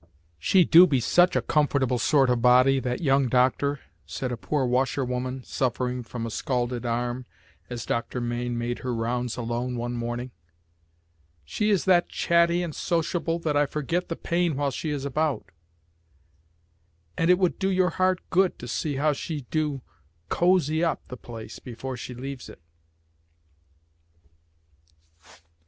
"She do be such a comfortable sort of body, that young doctor," said a poor washerwoman, suffering from a scalded arm, as Doctor Mayne made her rounds alone one morning. "She is that chatty and sociable that I forget the pain while she is about, and it would do your heart good to see how she do cozy up the place before she leaves it."